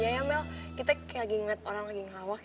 iya ya mel kita lagi nge met orang lagi ngelawak ya